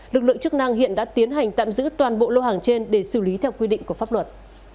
lực lượng chức năng hiện đã tiến hành tạm giữ toàn bộ lô hàng trên để xử lý theo quy định của pháp luật